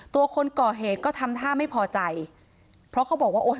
คนก่อเหตุก็ทำท่าไม่พอใจเพราะเขาบอกว่าโอ้ย